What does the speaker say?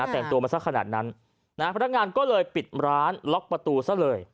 แต่งตัวมาสักขนาดนั้นพนักงานก็เลยปิดร้านล็อกประตูซะเลย